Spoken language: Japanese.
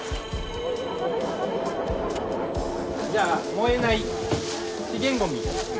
じゃあ燃えない資源ゴミ。